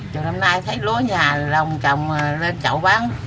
rồi năm nay thấy lúa nhà lồng trồng lên chậu bán